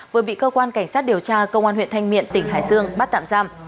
vừa bị cơ quan cảnh sát điều tra công an huyện thanh miện tỉnh hải dương bắt tạm giam